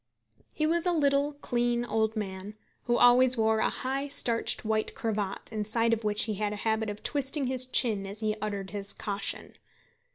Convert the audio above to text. He was a little, clean, old man, who always wore a high starched white cravat, inside which he had a habit of twisting his chin as he uttered his caution.